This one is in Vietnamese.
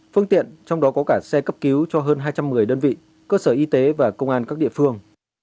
phương tiện trong đó có cả xe cấp cứu cho hơn hai trăm một mươi đơn vị cơ sở y tế và công an các địa phương